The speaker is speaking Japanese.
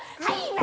はい！